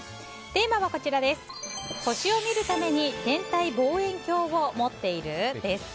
テーマは、星を見るために天体望遠鏡を持っている？です。